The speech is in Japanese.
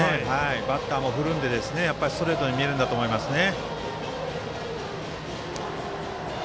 バッターも振るのでストレートに見えるんだと思いますね。